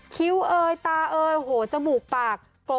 คิ้วเอยตาเอยโอ้โหจมูกปาก